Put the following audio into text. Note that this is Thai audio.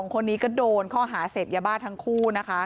คนนี้ก็โดนข้อหาเสพยาบ้าทั้งคู่นะคะ